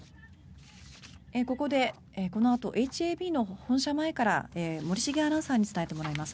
ここで、このあとＨＡＢの本社前から森重アナウンサーに伝えてもらいます。